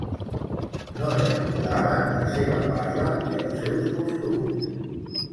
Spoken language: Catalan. No recordaven la seva parla i els seus costums.